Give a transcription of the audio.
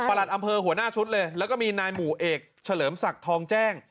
อำเภอหัวหน้าชุดเลยแล้วก็มีนายหมู่เอกเฉลิมศักดิ์ทองแจ้ง